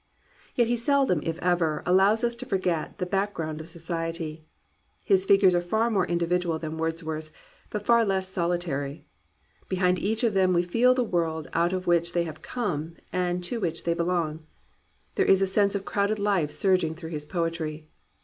Yet he seldom, if ever, allows us to forget the background of society. His figures are far more individual than Wordsworth's, but far less solitary. Behind each of them we feel the world out of which they have come and to which they belong. There is a sense of crowded life surging through his poetry.